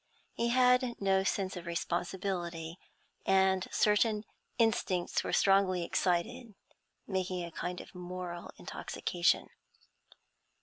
He had no sense of responsibility, and certain instincts were strongly excited, making a kind of moral intoxication.